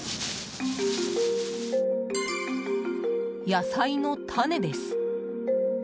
野菜の種です。